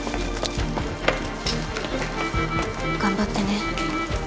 頑張ってね。